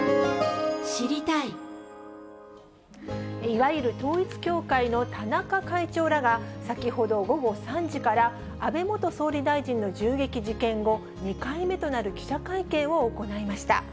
いわゆる統一教会の田中会長らが、先ほど午後３時から、安倍元総理大臣の銃撃事件後、２回目となる記者会見を行いました。